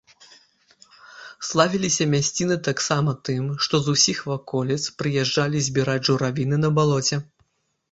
Славіліся мясціны таксама тым, што з усіх ваколіц прыязджалі збіраць журавіны на балоце.